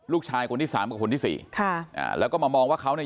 ลูกชายคนที่สามกับคนที่สี่ค่ะอ่าแล้วก็มามองว่าเขาเนี่ย